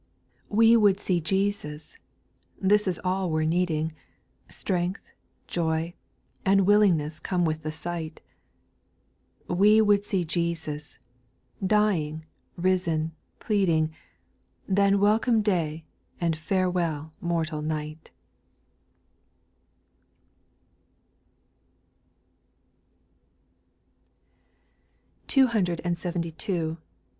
"We would see Jesus" — this is all we're needing, — Strength, joy, and willingness come with the sight . "We would see Jesus," dying, risen, plead ing;— Then welcome day, and farewell mortal night 1 34* 890 SPIRITUAL SONGS. P72.